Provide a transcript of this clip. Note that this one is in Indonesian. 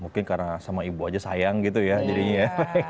mungkin karena sama ibu aja sayang gitu ya jadinya ya